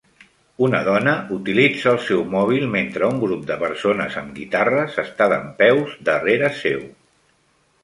Una dona utilitza el seu mòbil mentre un grup de persones amb guitarres està dempeus darrere seu.